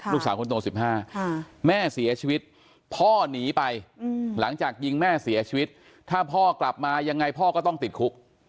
ลูกสาวคนโต๑๕แม่เสียชีวิตพ่อหนีไปหลังจากยิงแม่เสียชีวิตถ้าพ่อกลับมายังไงพ่อก็ต้องติดคุก